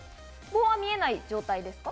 棒は見えない状態ですか？